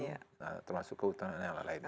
termasuk perikanan termasuk keutanan dan ala lainnya